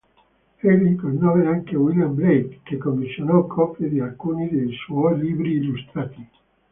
Egli conobbe anche William Blake, che commissionò copie di alcuni dei suoi libri illustrati.